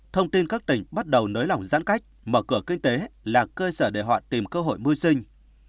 thông tin các tỉnh bắt đầu nới lỏng giãn cách mở cửa kinh tế là cơ sở để họ tìm cơ hội môi sinh